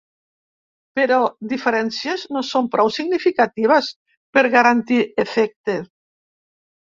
Però diferències no són prou significatives per garantir efecte.